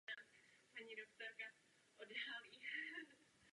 Roste uprostřed dvora památkově chráněné novorenesanční reprezentativní vily.